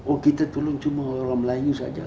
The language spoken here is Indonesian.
oh kita tolong cuma orang melayu saja